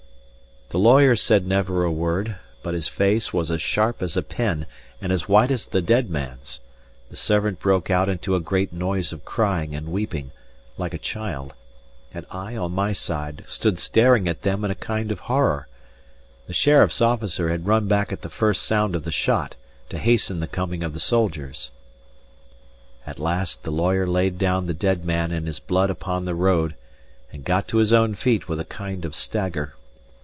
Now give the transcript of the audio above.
The lawyer said never a word, but his face was as sharp as a pen and as white as the dead man's; the servant broke out into a great noise of crying and weeping, like a child; and I, on my side, stood staring at them in a kind of horror. The sheriff's officer had run back at the first sound of the shot, to hasten the coming of the soldiers. At last the lawyer laid down the dead man in his blood upon the road, and got to his own feet with a kind of stagger.